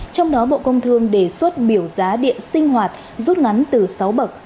trong đó bộ công thương đề xuất biểu giá điện sinh hoạt rút ngắn từ sáu bậc